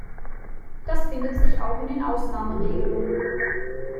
Das findet sich auch in den Ausnahmeregelungen.